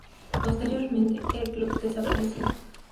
Posteriormente el club desapareció.